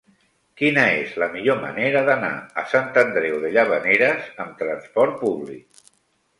Quina és la millor manera d'anar a Sant Andreu de Llavaneres amb trasport públic?